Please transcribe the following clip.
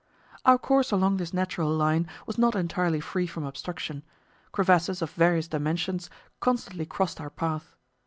Our course along this natural line was not entirely free from obstruction; crevasses of various dimensions constantly crossed our path.